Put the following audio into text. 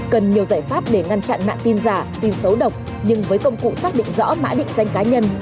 cần nhiều giải pháp để ngăn chặn nạn tin giả tin xấu độc nhưng với công cụ xác định rõ mã định danh cá nhân